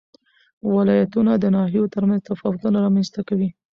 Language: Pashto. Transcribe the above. ولایتونه د ناحیو ترمنځ تفاوتونه رامنځ ته کوي.